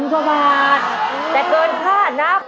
๑๐๐๐กว่าบาทแต่เกิน๕นัก